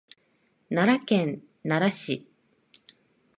奈良県奈良市